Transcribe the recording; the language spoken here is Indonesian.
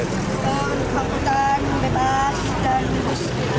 penghaputan bebas dan luas